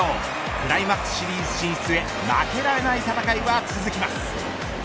クライマックスシリーズ進出へ負けられない戦いは続きます。